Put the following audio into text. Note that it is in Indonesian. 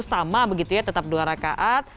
sama begitu ya tetap dua rakaat